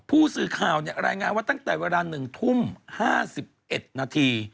ผู้สื่อข่าวรายงานว่าตั้งแต่เวลา๑ทุ่ม๕๑นาที